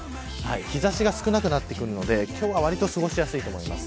日差しが少なくなってくるので今日はわりと過ごしやすいと思います。